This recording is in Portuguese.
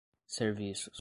serviços